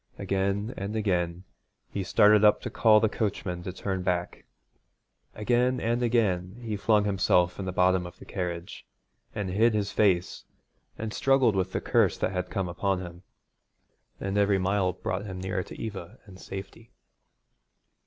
Again and again he started up to call the coachman to turn back; again and again he flung himself in the bottom of the carriage, and hid his face and struggled with the curse that had come upon him. And every mile brought him nearer to Eva and safety.